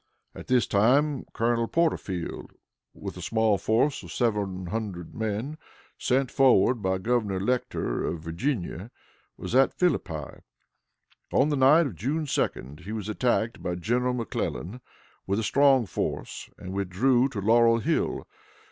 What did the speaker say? At this time Colonel Porterfield, with the small force of seven hundred men, sent forward by Governor Letcher, of Virginia, was at Philippi. On the night of June 2d he was attacked by General McClellan, with a strong force, and withdrew to Laurel Hill.